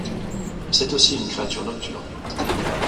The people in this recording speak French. C'est aussi une créature nocturne.